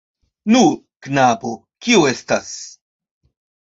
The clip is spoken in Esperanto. Nu, knabo, kio estas?